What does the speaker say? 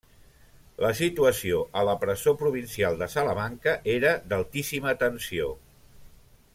La situació a la presó provincial de Salamanca era d'altíssima tensió.